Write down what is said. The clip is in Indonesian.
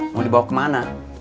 mau dibawa kemana